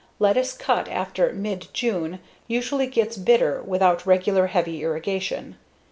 Lettuce cut after mid June usually gets bitter without regular, heavy irrigation.